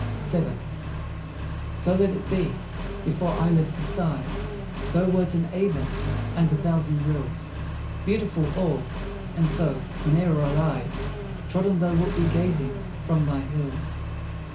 VII. So let it be: Before I lived to sigh, Thou wert in Avon, and a thousand rills, Beautiful Orb! and so, whene'er I lie Trodden, thou wilt be gazing from thy hills.